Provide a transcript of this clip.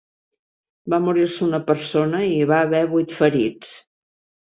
Va morir-se una persona i hi va haver vuit ferits.